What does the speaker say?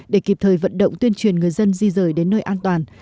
để kịp thời vận động tuyên truyền người dân di rời đến nơi an toàn